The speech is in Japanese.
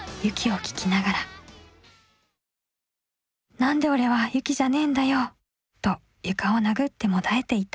「『なんで俺はＹＵＫＩじゃねーんだよ！！』と床を殴ってもだえていた」。